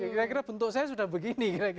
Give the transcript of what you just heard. kira kira bentuk saya sudah begini